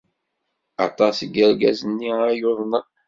Aṭas seg yergazen-nni ay yuḍnen.